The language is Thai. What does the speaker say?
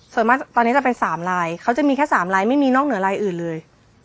ส่วนมากตอนนี้จะเป็น๓ลายเขาจะมีแค่๓ลายไม่มีนอกเหนือลายอื่นเลย